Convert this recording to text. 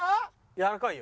やわらかいよ。